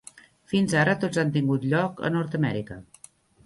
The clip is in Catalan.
Fins ara tots han tingut lloc a Nord-Amèrica.